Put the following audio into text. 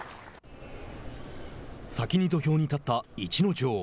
先に土俵に立った逸ノ城。